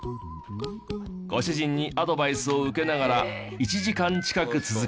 ご主人にアドバイスを受けながら１時間近く続け。